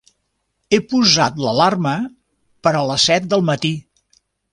He posat l'alarma per a les set del matí.